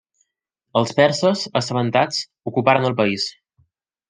Els perses, assabentats, ocuparen el país.